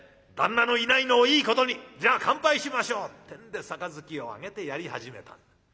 旦那のいないのをいいことにじゃあ乾杯しましょう」ってんで杯をあげてやり始めた。